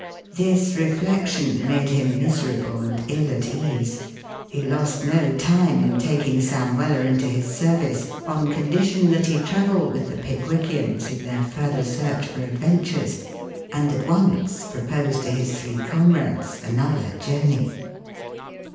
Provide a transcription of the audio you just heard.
This reflection made him miserable and ill at ease. He lost no time in taking Sam Weller into his service, on condition that he travel with the Pickwickians in their further search for adventures, and at once proposed to his three comrades another journey.